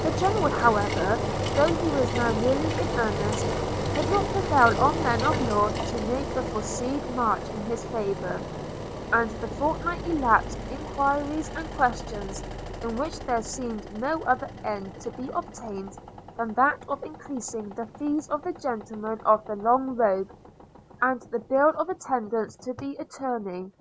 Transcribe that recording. The General however, though he was now really in earnest, could not prevail on men of law to make a forced march in his favour; and the fortnight elapsed in queries and questions in which there seemed no other end to be obtained than that of increasing the fees of the gentlemen of the long robe, and the bill of attendance to the attorney.